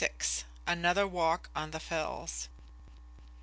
Another Walk on the Fells.